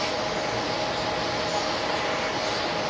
สุดท้ายสุดท้าย